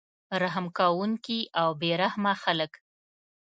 رحم کوونکي او بې رحمه خلک